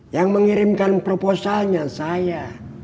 yang mengirimkan proposalnya saya